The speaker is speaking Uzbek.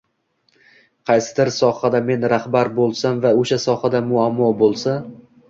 "Qaysidir sohada men rahbar bo‘lsam va o‘sha sohada muammo bo‘lsa.